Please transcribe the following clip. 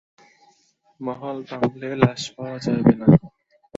মহল ভাঙলে, লাশও পাওয়া যাবে না।